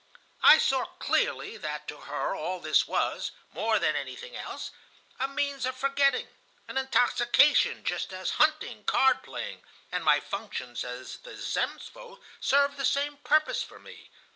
"I saw clearly that to her all this was, more than anything else, a means of forgetting, an intoxication, just as hunting, card playing, and my functions at the Zemstvo served the same purpose for me.